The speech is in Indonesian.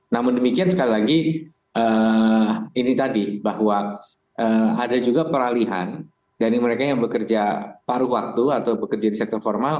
namun demikian sekali lagi ini tadi bahwa ada juga peralihan dari mereka yang bekerja paruh waktu atau bekerja di sektor formal